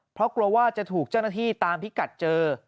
เพราะกลัวว่าจะถูกเจ้าหน้าที่ตามพิกัดเจอ